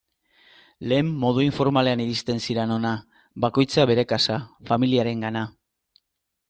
Lehen modu informalean iristen ziren hona, bakoitza bere kasa, familiarengana...